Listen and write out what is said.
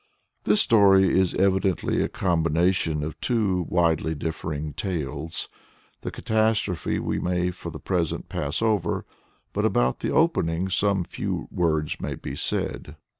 This story is evidently a combination of two widely differing tales. The catastrophe we may for the present pass over, but about the opening some few words may be said.